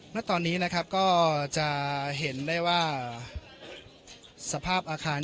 ณตอนนี้นะครับก็จะเห็นได้ว่าสภาพอาคาร